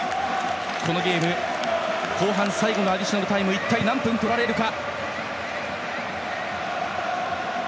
このゲーム、後半最後のアディショナルタイムは一体、何分か。